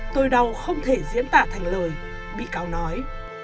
tôi đau không thể diễn tả thành lời bị cáo nói